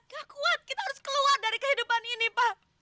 gak kuat kita harus keluar dari kehidupan ini pak